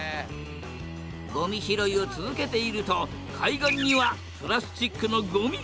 ごみ拾いを続けていると海岸にはプラスチックのごみがたくさん！